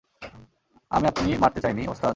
আমি আপনি মারতে চাইনি, ওস্তাদ!